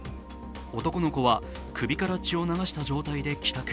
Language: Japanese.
男の子は、首から血を流した状態で帰宅。